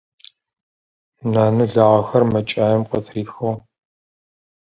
Нанэ лагъэхэр мэкӀаем къытрихыгъ.